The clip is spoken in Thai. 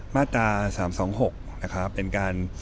มาตรา๓๒๖เป็นการ